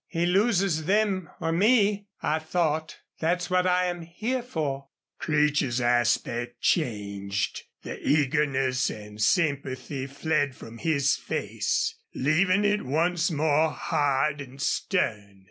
He loses them or me, I thought. That's what I am here for." Creech's aspect changed. The eagerness and sympathy fled from his face, leaving it once more hard and stern.